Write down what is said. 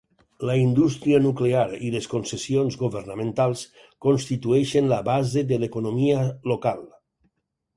La indústria nuclear i les concessions governamentals constitueixen la base de l'economia local.